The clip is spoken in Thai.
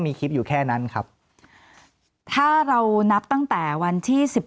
มีคลิปอยู่แค่นั้นครับถ้าเรานับตั้งแต่วันที่สิบ